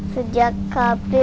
sejak kapan kamu takut sama badut